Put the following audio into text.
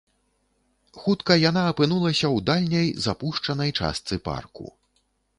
Хутка яна апынулася ў дальняй, запушчанай частцы парку.